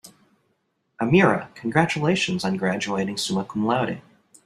"Amira, congratulations on graduating summa cum laude."